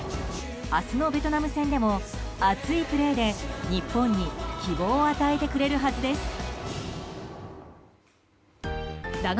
明日のベトナム戦でも熱いプレーで日本に希望を与えてくれるはずです。